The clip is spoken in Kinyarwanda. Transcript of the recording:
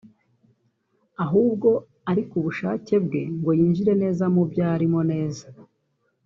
ahubwo ari ku bushake bwe ngo yinjire neza mubyo arimo neza